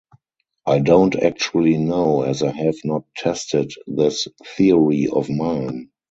I don't actually know, as I have not tested this theory of mine.